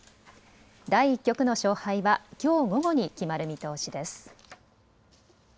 第１局の勝敗はきょう午後に決まる見通しです。